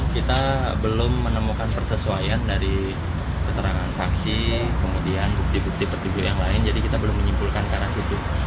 kita belum menemukan persesuaian dari keterangan saksi kemudian bukti bukti perjudul yang lain jadi kita belum menyimpulkan ke arah situ